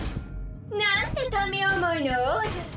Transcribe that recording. なんて民思いの王女様。